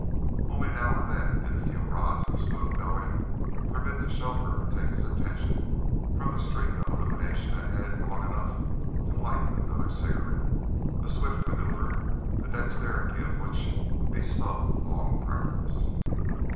Only now and then did a few rods of smooth going permit the chauffeur to take his attention from the streak of illumination ahead long enough to light another cigarette, a swift maneuver, the dexterity of which bespoke long practice.